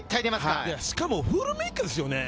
しかもフルメイクですよね。